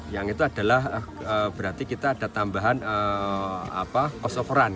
yang itu adalah berarti kita ada tambahan cost of run